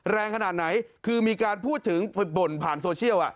แรงขนาดไหนคือมีการพูดถึงบ่นผ่านโซเชียล